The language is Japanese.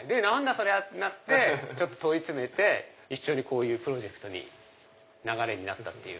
そりゃ！ってなって問い詰めて一緒にこういうプロジェクトに流れになったっていう。